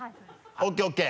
ＯＫＯＫ。